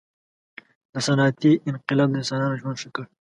• صنعتي انقلاب د انسانانو ژوند ښه کړ.